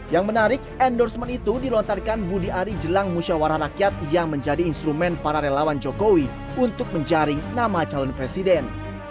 yang menarik endorsement itu dilontarkan budi ari jelang musyawarah rakyat yang menjadi instrumen para relawan jokowi untuk menjaring nama calon presiden